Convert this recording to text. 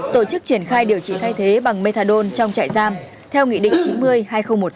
tổ chức triển khai điều trị thay thế bằng methadone trong chạy giam